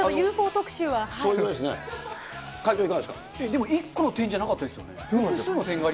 でも１個の点じゃなかったですよね。